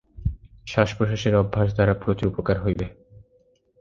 শ্বাসপ্রশ্বাসের অভ্যাস দ্বারা প্রচুর উপকার হইবে।